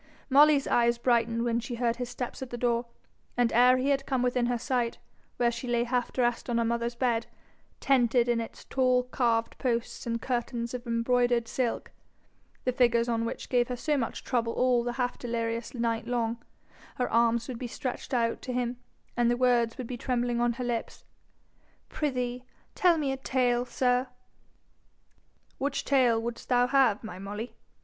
Molly's eyes brightened when she heard his steps at the door, and ere he had come within her sight, where she lay half dressed on her mother's bed, tented in its tall carved posts and curtains of embroidered silk, the figures on which gave her so much trouble all the half delirious night long, her arms would be stretched out to him, and the words would be trembling on her lips, 'Prithee, tell me a tale, sir.' 'Which tale wouldst thou have, my Molly?'